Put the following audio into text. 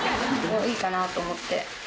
いいかなと思って。